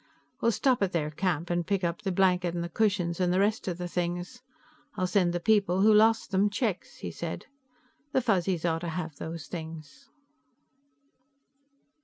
"We'll stop at their camp and pick up the blanket and the cushions and the rest of the things. I'll send the people who lost them checks," he said. "The Fuzzies ought to have those things."